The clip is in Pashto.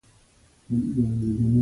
حشوي الهیاتو په مرسته مشروعیت ورکړ.